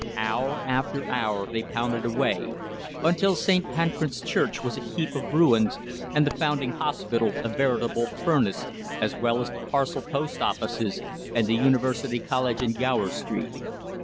Hour after hour they pounded away, until St. Pancras Church was a heap of ruins and the Foundling Hospital a veritable furnace, as well as the Parcel Post Offices and the University College in Gower Street.